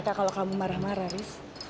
sampai jumpa lagi